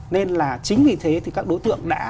nên là chính vì thế thì các đối tượng đã